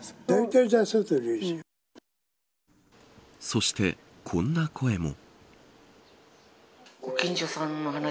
そして、こんな声も。